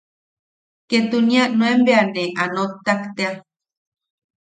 Ketunia nuen bea a noktak tea.